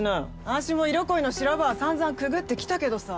私も色恋の修羅場はさんざんくぐってきたけどさ。